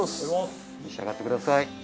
召し上がってください。